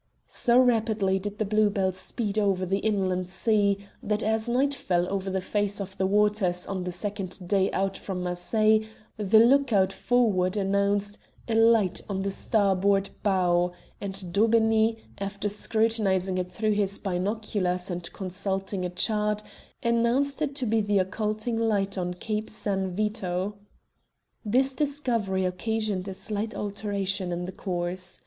So rapidly did the Blue Bell speed over the inland sea that as night fell over the face of the waters on the second day out from Marseilles the look out forrard announced "a light on the starboard bow," and Daubeney, after scrutinizing it through his binoculars and consulting a chart, announced it to be the occulting light on Cape San Vito. This discovery occasioned a slight alteration in the course.